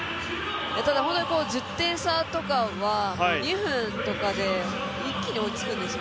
ただ、本当に１０点差とかは２分とかで一気に追いつくんですよ。